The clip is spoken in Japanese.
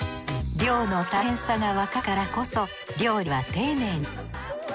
漁の大変さがわかるからこそ料理は丁寧に。